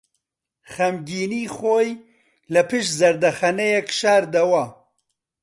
خەمگینیی خۆی لەپشت زەردەخەنەیەک شاردەوە.